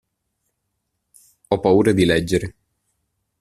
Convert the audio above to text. Ho paura di leggere.